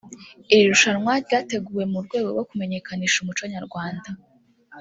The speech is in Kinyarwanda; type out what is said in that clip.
Iri rushanwa ryateguwe mu rwego rwo kumenyekanisha umuco Nyarwanda